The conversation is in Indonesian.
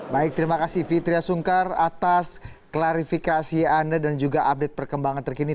baik terima kasih fitriah sungkar atas klarifikasi anda dan juga update perkembangan terkini